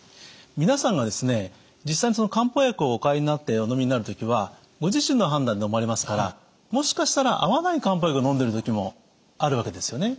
皆さんが実際に漢方薬をお買いになっておのみになる時はご自身の判断でのまれますからもしかしたら合わない漢方薬をのんでる時もあるわけですよね。